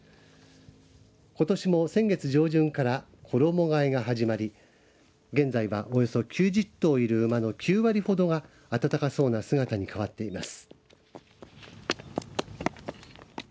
ことしも、先月上旬から衣がえが始まり現在は、およそ９０頭いる馬の９割ほどが暖かそうな姿に変わっています。